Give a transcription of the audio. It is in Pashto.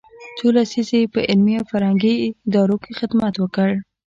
څو لسیزې یې په علمي او فرهنګي ادارو کې خدمت وکړ.